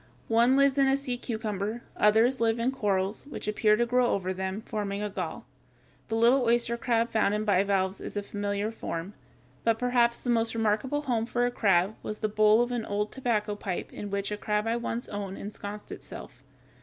One lives in the sea cucumber; others live in corals, which appear to grow over them, forming a gall (Fig. 151). The little oyster crab found in bivalves is a familiar form. But perhaps the most remarkable home for a crab was the bowl of an old tobacco pipe in which a crab I once owned ensconced itself.